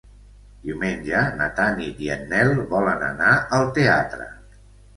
Diumenge na Tanit i en Nel volen anar al teatre.